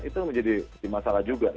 itu yang menjadi masalah juga pak